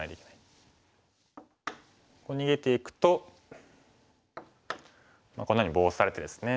こう逃げていくとこんなふうにボウシされてですね。